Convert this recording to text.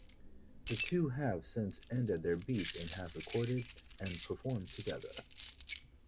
The two have since ended their beef and have recorded and performed together.